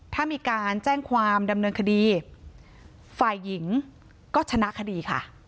ถ้ามีการแจ้งความดำเนินคดีฝ่ายหญิงก็ชนะคดีค่ะ